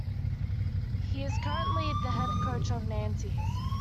He is currently the head coach of Nantes.